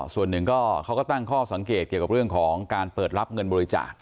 ส่วนหนึ่งก็เขาก็ตั้งข้อสังเกตเกี่ยวกับเรื่องของการเปิดรับเงินบริจาค